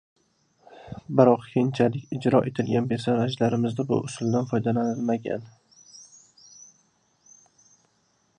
Biroq keyinchalik ijro etgan personajlarimda bu usuldan foydalanilmagan.